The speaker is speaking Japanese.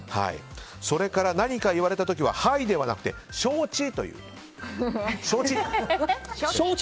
それから、何か言われた時ははいではなくて承知！